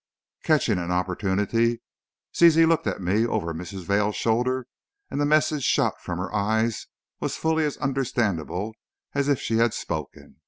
Catching an opportunity, Zizi looked at me, over Mrs. Vail's shoulder, and the message shot from her eyes was fully as understandable as if she had spoken.